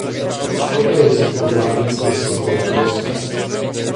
Auta jezdí po dálnici vysokou rychlostí.